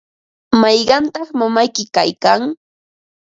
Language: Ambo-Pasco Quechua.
¿mayqantaq mamayki kaykan?